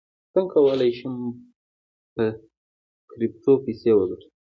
څنګه کولی شم په کریپټو پیسې وګټم